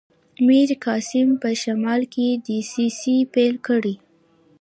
میرقاسم په شمال کې دسیسې پیل کړي.